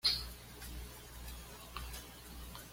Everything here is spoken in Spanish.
Nació en una cabaña de troncos en Appleton, Wisconsin.